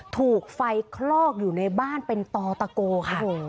ถูกไฟคลอกอยู่ในบ้านเป็นตอตะโกค่ะ